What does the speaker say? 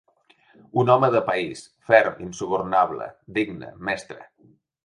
Un home de país, ferm, insubornable, digne, mestre.